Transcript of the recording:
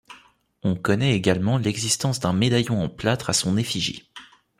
On connaît également l'existence d'un médaillon en plâtre à son effigie.